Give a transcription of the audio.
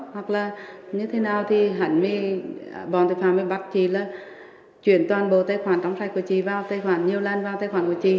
hoặc là như thế nào thì hẳn vì bọn tội phạm mới bắt chị là chuyển toàn bộ tài khoản trống sạch của chị vào tài khoản nhiều lần vào tài khoản của chị